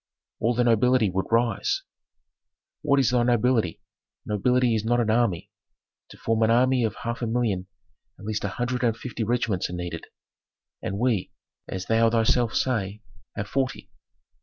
"All the nobility would rise." "What is thy nobility? Nobility is not an army. To form an army of half a million, at least a hundred and fifty regiments are needed, and we, as thou thyself sayest, have forty.